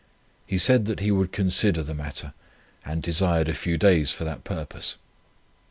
He said that he would consider the matter, and desired a few days for that purpose.